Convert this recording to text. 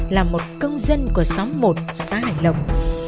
là một công dân của xóm một xã hải lộng